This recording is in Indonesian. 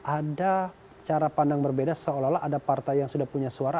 ada cara pandang berbeda seolah olah ada partai yang sudah punya suara